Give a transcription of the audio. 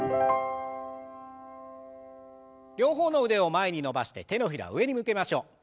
両方の腕を前に伸ばして手のひらを上に向けましょう。